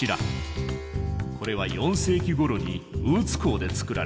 これは４世紀ごろにウーツ鋼で作られた。